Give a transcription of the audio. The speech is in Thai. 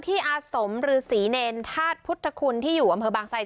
ที่อาสมหรือศรีเน่นทาสพุทธคุณที่อยู่บางไส้บริษัท